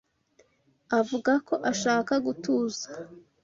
Avuga ko ashaka gutuza.